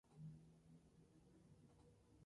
Asimismo, son la segunda mayor a nivel mundial.